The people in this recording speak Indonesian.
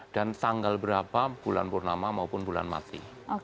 dan tanggal berapa bulan purnama maupun bulan mati